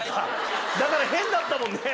だから変だったもんね。